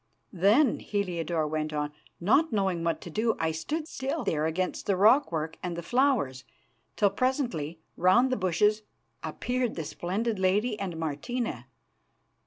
"Then," Heliodore went on, "not knowing what to do, I stood still there against the rockwork and the flowers till presently, round the bushes, appeared the splendid lady and Martina."